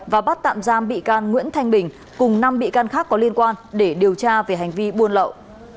và bắt tạm giam bị can nguyễn thanh bình cùng năm bị can khác có liên quan để điều tra về hành vi buôn lậu